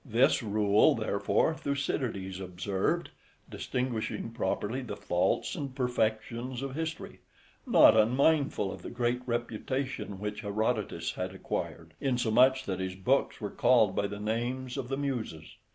This rule therefore Thucydides observed, distinguishing properly the faults and perfections of history: not unmindful of the great reputation which Herodotus had acquired, insomuch that his books were called by the names of the Muses.